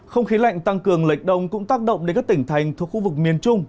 không khí lạnh tăng cường lệch đông cũng tác động đến các tỉnh thành thuộc khu vực miền trung